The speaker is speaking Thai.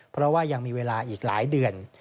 เพราะว่ายังมีเวลาอีกหลายเดือน